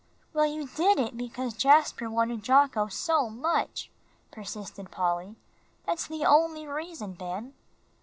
"Well, you did it because Jasper wanted Jocko so much," persisted Polly. "That's the only reason, Ben."